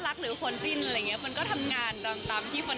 รู้สึกว่าผมก็พูดในความเป็นจริงเฉย